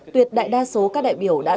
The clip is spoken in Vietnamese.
tuyệt đại đa số các đại biểu đã thống nhận